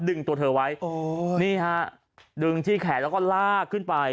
ดึงที่แขกแล้วก็ลากขึ้นไป